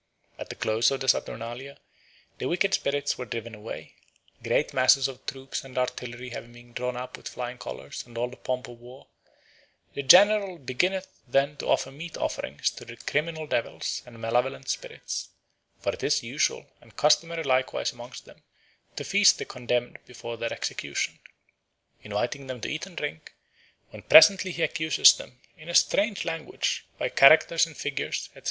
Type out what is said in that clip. At the close of the saturnalia the wicked spirits were driven away. Great masses of troops and artillery having been drawn up with flying colours and all the pomp of war, "the general beginneth then to offer meat offerings to the criminal devils and malevolent spirits (for it is usual and customary likewise amongst them to feast the condemned before their execution), inviting them to eat and drink, when presently he accuses them in a strange language, by characters and figures, etc.